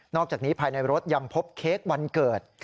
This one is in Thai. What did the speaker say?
อกจากนี้ภายในรถยังพบเค้กวันเกิด